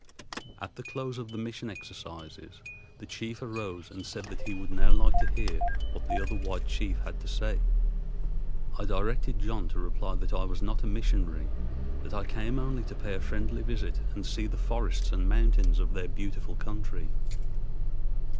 At the close of the mission exercises the chief arose and said that he would now like to hear what the other white chief had to say. I directed John to reply that I was not a missionary, that I came only to pay a friendly visit and see the forests and mountains of their beautiful country.